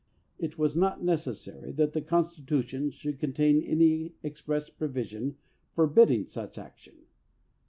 It was not necessary that the Constitution should contain any express provision forbidding such action.